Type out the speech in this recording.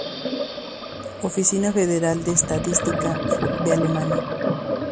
Oficina Federal de Estadística de Alemania